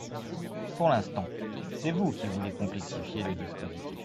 Pour l’instant, c’est vous qui voulez complexifier le dispositif